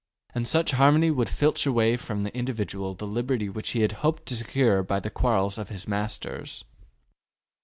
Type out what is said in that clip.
And such harmony would filch away from the individual the liberty which he had hoped to secure by the quarrels of his masters.